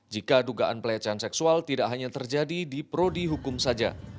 jika dugaan pelecehan seksual tidak hanya terjadi di prodi hukum saja